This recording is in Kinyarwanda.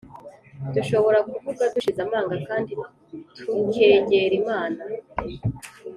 dushobora kuvuga dushize amanga kandi tukegera Imana